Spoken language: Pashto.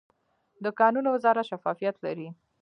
د کانونو وزارت شفافیت لري؟